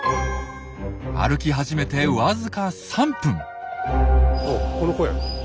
歩き始めてわずか３分。